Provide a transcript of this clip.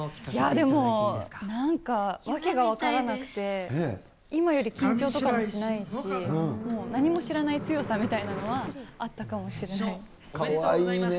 いやぁ、でも、なんか訳が分からなくて、今より緊張とかしないし、もう何も知らない強さみたいなのはあったかもしれない。